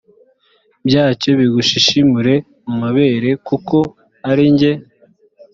byacyo bigushishimure mu mabere kuko ari jye